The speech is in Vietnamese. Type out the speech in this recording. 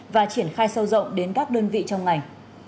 và triển khai sâu rộng đến các đơn vị trong ngành